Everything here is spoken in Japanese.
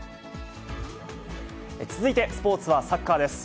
続いてスポーツはサッカーです。